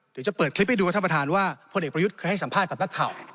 เดี๋ยวจะเปิดคลิปให้ดูครับท่านประธานว่าพลเอกประยุทธ์เคยให้สัมภาษณ์กับนักข่าว